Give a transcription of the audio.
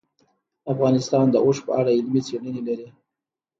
افغانستان د اوښ په اړه علمي څېړنې لري.